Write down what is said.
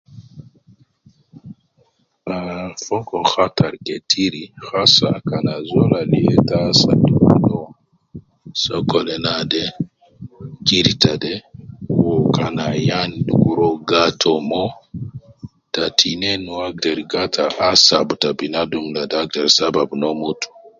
Aaah Fogo khatar ketir hasa kan azol al ita asadu Mino sokole naade kirita de uwo kan ayan dukuru uwo gata uwo moo, ta tinein uwo agder gata mo asab ta binadum ladi agder Sabab nauwo mutu